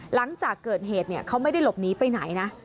หลังจากเกิดเหตุเขาไม่ได้หลบหนีไปไหนนะ